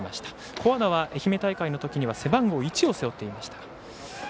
古和田は愛媛大会のときには背番号１を背負っていました。